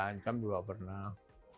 diancam juga pernah